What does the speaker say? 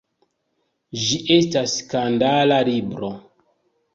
Ĝi estas skandala libro.